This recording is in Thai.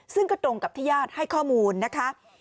ซึ่งก็ตรงกับที่ญาติให้ข้อมูลนะคะ